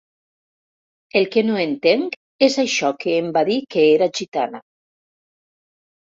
El que no entenc és això que em va dir que era gitana.